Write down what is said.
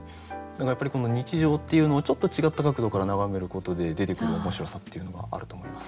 何かやっぱりこの日常っていうのをちょっと違った角度から眺めることで出てくる面白さっていうのがあると思います。